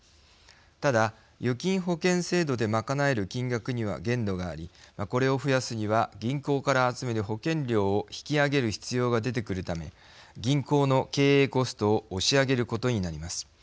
ただ預金保険制度で賄える金額には限度がありこれを増やすには銀行から集める保険料を引き上げる必要が出てくるため銀行の経営コストを押し上げることになります。